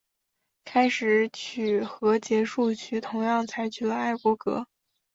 开始曲和结束曲同样采用了爱国歌。